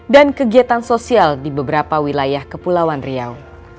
dan kegiatan sosial di beberapa wilayah kepulauan riau